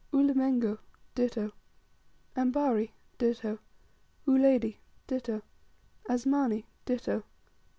Ulimengo, ditto 6. Ambari, ditto. 7. Uledi, ditto. 8. Asmani, ditto.